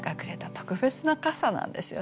特別な傘なんですよね。